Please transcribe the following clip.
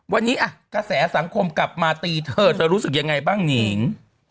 วันนี้กระแสสังคมกลับมาตีเธอเธอรู้สึกยังไงบ้างหนิง